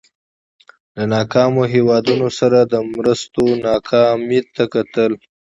له ناکامو هېوادونو سره د مرستو ناکامۍ ته کتل.